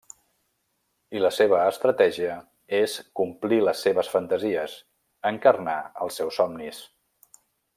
I la seva estratègia és complir les seves fantasies, encarnar els seus somnis.